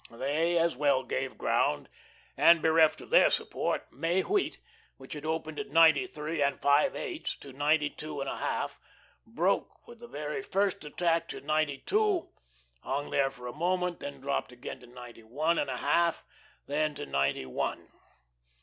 They as well gave ground, and, bereft of their support, May wheat, which had opened at ninety three and five eighths to ninety two and a half, broke with the very first attack to ninety two, hung there a moment, then dropped again to ninety one and a half, then to ninety one.